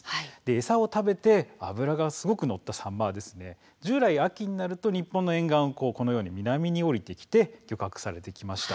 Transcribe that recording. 餌を食べて脂がすごく乗ったサンマは従来、秋になると日本の沿岸を南に下りてきて漁獲されてきました。